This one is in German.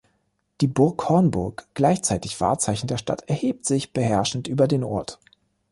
Die Burg Hornburg, gleichzeitig Wahrzeichen der Stadt, erhebt sich beherrschend über den Ort.